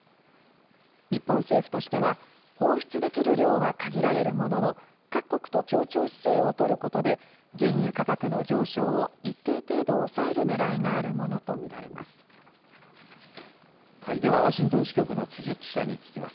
日本政府としては、放出できる量は限られるものの、各国と協調姿勢を取ることで、原油価格の上昇を一定程度抑えるねでは、ワシントン支局の辻記者に聞きます。